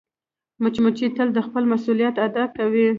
مچمچۍ تل خپل مسؤولیت ادا کوي